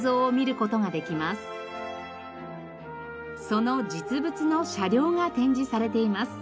その実物の車両が展示されています。